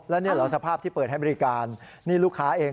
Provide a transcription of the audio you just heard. แล้วนี่เหรอสภาพที่เปิดให้บริการนี่ลูกค้าเอง